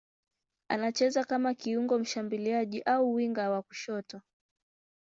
Anacheza kama kiungo mshambuliaji au winga wa kushoto.